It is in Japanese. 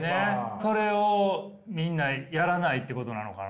それをみんなやらないってことなのかな？